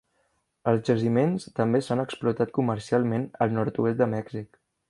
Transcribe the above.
Els jaciments també s'han explotat comercialment al nord-oest de Mèxic.